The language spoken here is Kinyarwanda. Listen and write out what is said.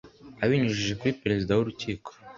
abinyujije kuri perezida w urukiko